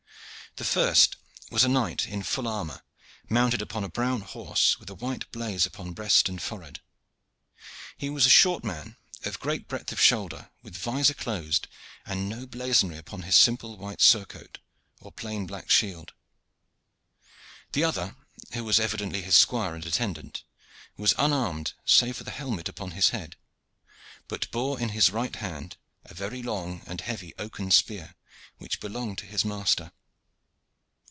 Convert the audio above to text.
The first was a knight in full armor, mounted upon a brown horse with a white blaze upon breast and forehead. He was a short man of great breadth of shoulder, with vizor closed, and no blazonry upon his simple white surcoat or plain black shield. The other, who was evidently his squire and attendant, was unarmed save for the helmet upon his head, but bore in his right hand a very long and heavy oaken spear which belonged to his master.